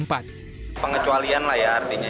pengecualian lah ya artinya